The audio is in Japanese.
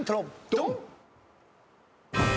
ドン！